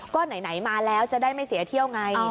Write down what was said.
ก็ไหนมาแล้วจะได้ไม่เสียเที่ยวไง